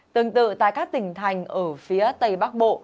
tương tự tại các tỉnh thành ở phía tây bắc bộ